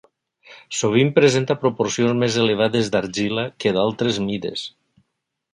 Sovint presenta proporcions més elevades d'argila que d'altres mides.